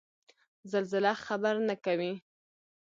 زلزله خبر نه کوي